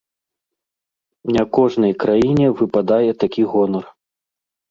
Не кожнай краіне выпадае такі гонар.